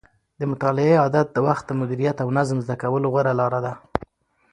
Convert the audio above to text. د مطالعې عادت د وخت د مدیریت او نظم زده کولو غوره لاره ده.